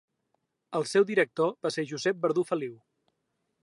El seu director va ser Josep Verdú Feliu.